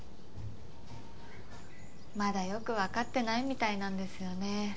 まだよくわかってないみたいなんですよね。